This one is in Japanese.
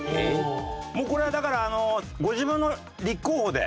もうこれはだからご自分の立候補で。